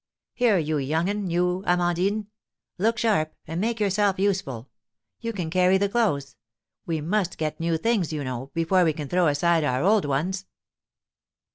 Here, you young un, you Amandine! Look sharp, and make yourself useful; you can carry the clothes; we must get new things, you know, before we can throw aside our old ones."